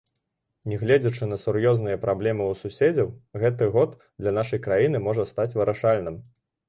Нягледзячы на сур'ёзныя праблемы ў суседзяў, гэты год для нашай краіны можа стаць вырашальным.